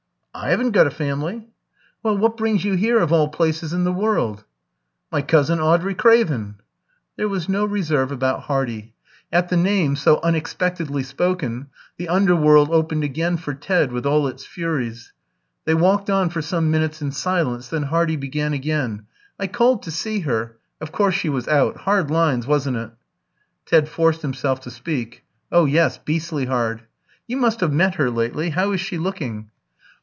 "I haven't got a family." "Well, what brings you here of all places in the world?" "My cousin Audrey Craven." There was no reserve about Hardy. At the name, so unexpectedly spoken, the under world opened again for Ted, with all its Furies. They walked on for some minutes in silence, then Hardy began again "I called to see her. Of course she was out. Hard lines, wasn't it?" Ted forced himself to speak. "Oh yes, beastly hard." "You must have met her lately. How is she looking?"